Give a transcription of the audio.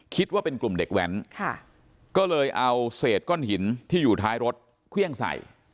คิดว่าเป็นกลุ่มเด็กแว้นก็เลยเอาเศษก้อนหินที่อยู่ท้ายรถเครื่องใส่